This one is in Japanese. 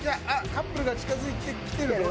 カップルが近付いてきてるよ。